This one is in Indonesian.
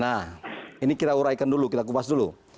nah ini kita uraikan dulu kita kupas dulu